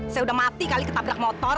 saya udah mati kali ketabrak motor